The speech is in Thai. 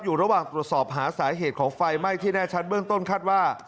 อยู่ระหว่างตรวจสอบหาสาเหตุของไฟไหม้ที่แน่ชัดเบื้องต้นคาดว่า